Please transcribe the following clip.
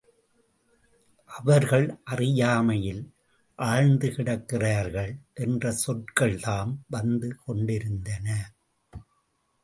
அவர்கள் அறியாமையில் ஆழ்ந்து கிடக்கிறார்கள் என்ற சொற்கள்தாம் வந்து கொண்டிருந்தன.